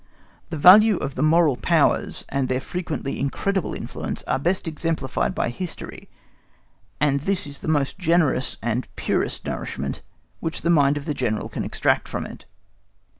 The value of the moral powers, and their frequently incredible influence, are best exemplified by history, and this is the most generous and the purest nourishment which the mind of the General can extract from it.